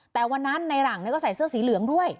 แต่วันนั้นในหลังก็ใส่เสื้อสีเหลืองด้วย